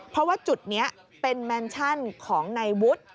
เพราะว่าจุดนี้เป็นแมนชั่นของนายวุฒิ